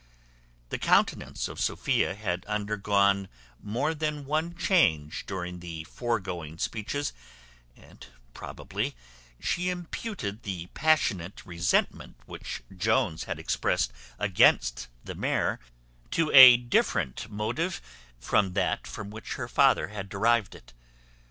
The countenance of Sophia had undergone more than one change during the foregoing speeches; and probably she imputed the passionate resentment which Jones had expressed against the mare, to a different motive from that from which her father had derived it.